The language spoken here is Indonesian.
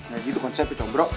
gak gitu konsep ya combro